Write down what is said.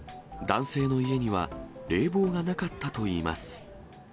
男性の家には冷房がなかったといいます。